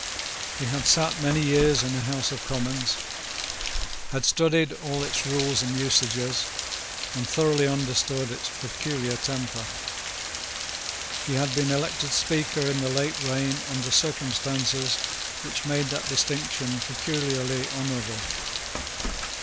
He had sate many years in the House of Commons, had studied all its rules and usages, and thoroughly understood its peculiar temper. He had been elected speaker in the late reign under circumstances which made that distinction peculiarly honourable.